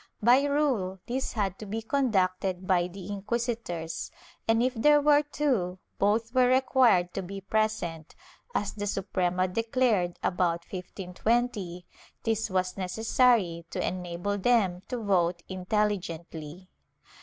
By rule, this had to be conducted by the inquisitors, and if there were two, both were required to be present; as the Suprema declared, about 1520, this was necessary to enable them to vote intelligently.